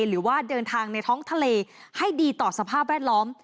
หรือว่าเดินทางในท้องทะเลให้ดีต่อสภาพแวดล้อม